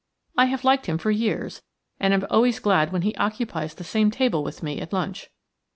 I have liked him for years, and am always glad when he occupies the same table with me at lunch.